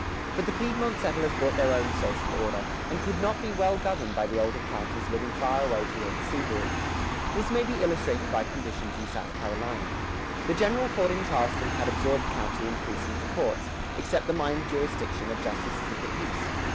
But the Piedmont settlers brought their own social order, and could not be well governed by the older planters living far away toward the seaboard. This may be illustrated by conditions in South Carolina. The general court in Charleston had absorbed county and precinct courts, except the minor jurisdiction of justices of the peace.